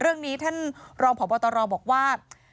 เรื่องนี้ท่านรองพบตรบอกว่า